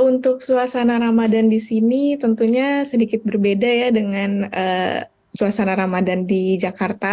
untuk suasana ramadan di sini tentunya sedikit berbeda ya dengan suasana ramadan di jakarta